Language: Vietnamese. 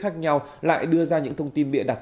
khác nhau lại đưa ra những thông tin bịa đặt